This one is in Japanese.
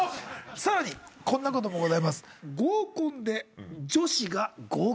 さらにこんなこともございます。